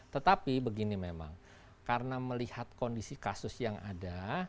tetapi begini memang karena melihat kondisi kasus yang ada